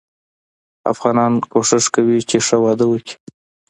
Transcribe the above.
افغانان کوښښ کوي چې ښه واده وګړي.